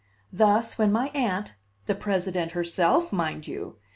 Thus, when my Aunt the president, herself, mind you!